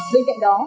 bên cạnh đó